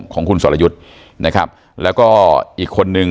ของคุณสรยุทธ์นะครับแล้วก็อีกคนนึง